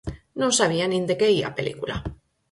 Non sabía nin de que ía a película.